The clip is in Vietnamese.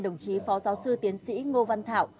đồng chí phó giáo sư tiến sĩ ngô văn thảo